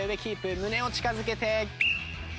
胸を近づけて。